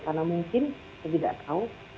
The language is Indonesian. karena mungkin saya tidak tahu